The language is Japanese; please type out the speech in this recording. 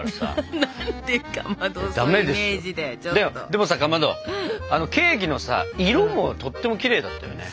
でもさかまどケーキのさ色もとってもきれいだったよね。